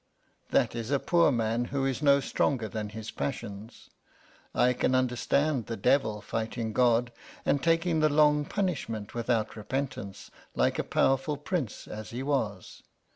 That is a poor man who is no stronger than his passions. I can understand the devil fighting God, and taking the long punishment without repentance, like a powerful prince as he was.